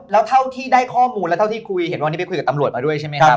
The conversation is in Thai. แล้วเท่าที่ได้ข้อมูลและเท่าที่คุยเห็นวันนี้ไปคุยกับตำรวจมาด้วยใช่ไหมครับ